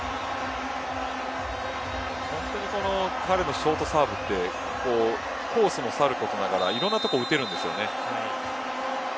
本当に彼のショートサーブってコースもさることながらいろんな所、打てるんですよね。